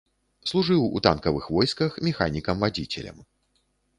Служыў у танкавых войсках механікам-вадзіцелем.